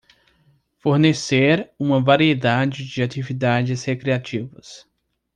Fornecer uma variedade de atividades recreativas